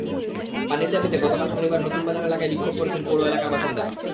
পানির দাবিতে গতকাল শনিবার নতুন বাজার এলাকায় বিক্ষোভ করেছেন পৌর এলাকার বাসিন্দারা।